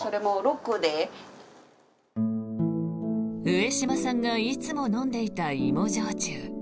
上島さんがいつも飲んでいた芋焼酎。